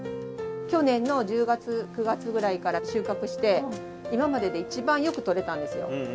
去年の１０月９月ぐらいから収穫して今までで一番よく採れたんですよ。